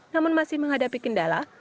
namun masih menghadapi kendala